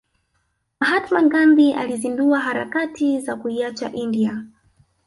Mahatma Gandhi alizindua harakati za kuiacha india